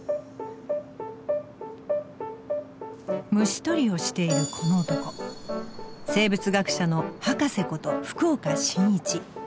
虫捕りをしているこの男生物学者のハカセこと